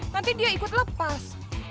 nanti dia ikut lepas